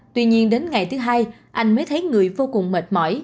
tuy nhiên đến ngày thứ hai anh mới thấy người vô cùng mệt mỏi